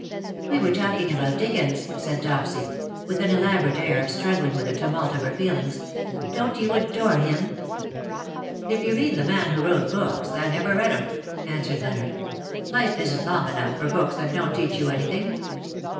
^' We were talking about Dickens/^ said Dopsy_^ with an elaborate air of struggling with the tumult of her feelings. " Don^t you adore him ?"^' If you mean the man who wrote books^ 1 never read ^em/^ answered Leonard; 'Hife isn^t long enough for books that don''t teach you anything.